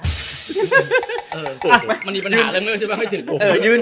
มันอีกประหลาดแล้วเนี่ยใช่ป่ะ